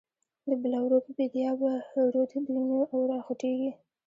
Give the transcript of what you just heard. دبلورو په بیدیا به، رود دوینو راخوټیږی